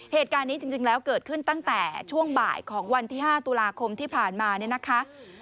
เหตุการณ์นี้จริงแล้วเกิดขึ้นตั้งแต่ช่วงบ่ายของวันที่๕ตุลาคมที่ผ่านมาเนี่ยนะคะ